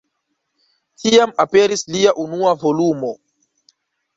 Tiam aperis lia unua volumo.